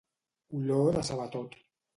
Olor de sabatot.